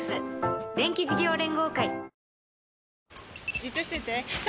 じっとしてて３！